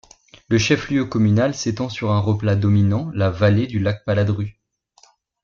Le chef-lieu communal s'étend sur un replat dominant la vallée du lac de Paladru.